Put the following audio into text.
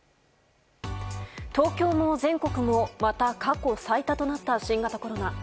東京も全国もまた過去最多となった新型コロナ。